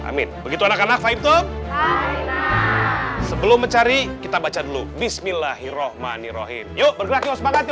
amin begitu anak anak fahim sebelum mencari kita baca dulu bismillahirohmanirohim yuk bergerak